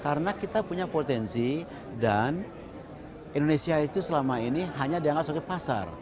karena kita punya potensi dan indonesia itu selama ini hanya dianggap sebagai pasar